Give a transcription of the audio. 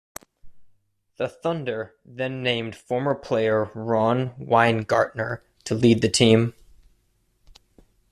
The Thunder then named former player Rob Weingartner to lead the team.